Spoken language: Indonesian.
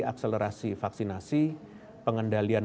akselerasi vaksinasi pengendalian